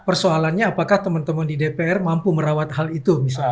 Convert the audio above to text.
persoalannya apakah teman teman di dpr mampu merawat hal itu misalnya